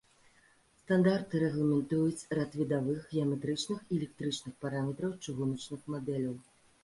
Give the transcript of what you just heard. Стандарты рэгламентуюць рад відавых, геаметрычных і электрычных параметраў чыгуначных мадэляў.